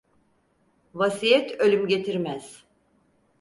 Vasiyet ölüm getirmez.